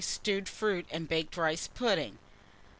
Stewed fruit and baked rice pudding.